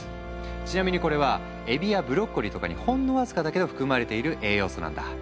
ちなみにこれはエビやブロッコリーとかにほんの僅かだけど含まれている栄養素なんだ。